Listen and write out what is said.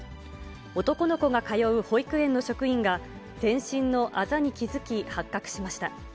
男の子が通う保育園の職員が、全身のあざに気付き発覚しました。